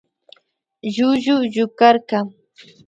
Llullu llukarka